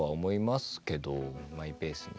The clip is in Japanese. マイペースに。